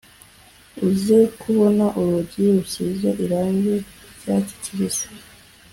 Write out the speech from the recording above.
uze kubona urugi rusize irangi ry'icyatsi kibisi.